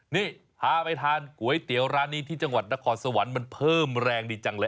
นี่พาไปทานก๋วยเตี๋ยวร้านนี้ที่จังหวัดนครสวรรค์มันเพิ่มแรงดีจังเลย